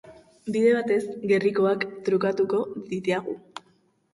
Bide batez, gerrikoak trukatuko ditiagu.